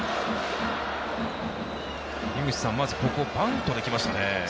井口さん、まずここでバントできましたね。